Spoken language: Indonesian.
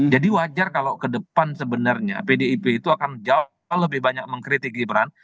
jadi wajar kalau ke depan sebenarnya pdip itu akan jauh lebih banyak mengkritik gibran